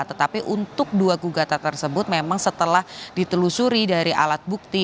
tetapi untuk dua gugatan tersebut memang setelah ditelusuri dari alat bukti